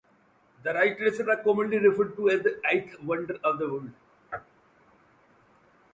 The Rice Terraces are commonly referred to as the "Eighth Wonder of the World".